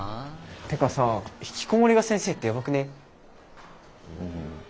ってかさひきこもりが先生ってやばくねえ？